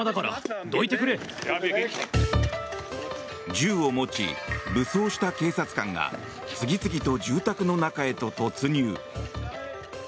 銃を持ち、武装した警察官が次々と住宅の中へ突入。